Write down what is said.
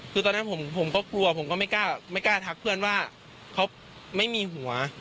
คือตอนนั้นผมก็กลัวผมก็ไม่กล้าทักเพื่อนว่าเขาไม่มีหัว